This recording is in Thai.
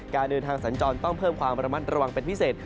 การเดินทางสัญจรต้องเพิ่มความระมัดระวังเป็นพิเศษ